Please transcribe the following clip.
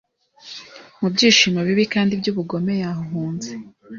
Mu byishimo bibi kandi byubugome Yahunze